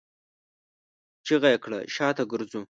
چيغه يې کړه! شاته ګرځو!